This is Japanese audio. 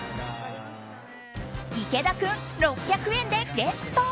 池田君、６００円でゲット。